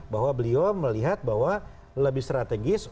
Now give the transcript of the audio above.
bahwa beliau melihat bahwa lebih strategis untuk memperbaiki kesehatan